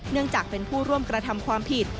เนื่องจากเป็นผู้ร่วมกระทำความผิด